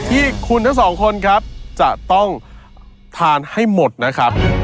ที่คุณทั้งสองคนครับจะต้องทานให้หมดนะครับ